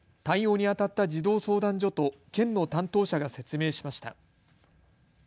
対応にあたった児童相談所と県の担当者が説明しました。